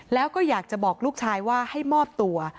แล้วก็อยากจะบอกลูกชายว่าให้มอบตัว